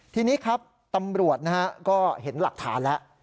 ทีนี้ครับตำรวจนะฮะก็เห็นหลักฐานแล้ว